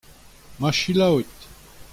Ma selaouit.